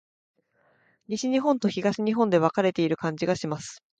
西日本と東日本で分かれている感じがします。